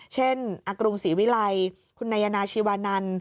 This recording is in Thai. เช่นอสีวิรัยคุณนายนาชีวานัน